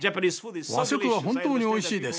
和食は本当においしいです。